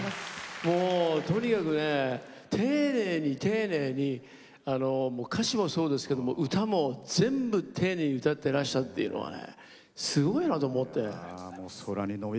とにかく丁寧に丁寧に歌詞もそうですけど、歌も全部、丁寧に歌ってらっしゃるというのはすごいなと思って。